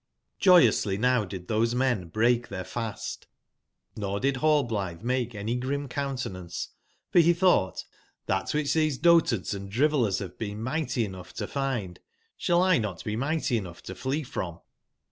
126 s^^AJOYOClSLYtiow did those men break tbeir ^^[p fast: nor did Rallblitbemakeany grim coun '^^f(^ tenance, for be tbougbt: '*^bat wbicb tbese dotards and drivellers bave been migbty enougb to find, sball 1 not be migbty enougb to flee from?"